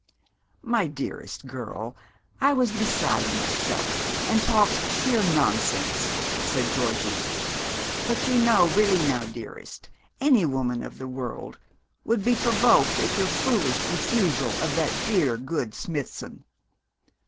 'My dearest girl, I was beside myself, and talked sheer nonsense,' said Georgie. 'But you know really now, dearest, any woman of the world would be provoked at your foolish refusal of that dear good Smithson.